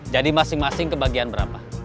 jadi masing masing kebagian berapa